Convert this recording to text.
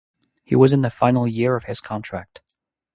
He was in the final year of his contract.